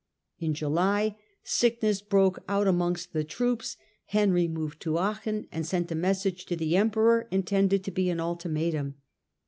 In July sickness broke out amongst the troops. Henry moved to Aachen and sent a message to the emperor intended to be an ultimatum.